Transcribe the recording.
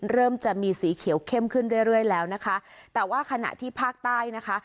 เริ่มจะมีสีเขียวเข้มขึ้นเรื่อยเรื่อยแล้วนะคะแต่ว่าขณะที่ภาคใต้นะคะ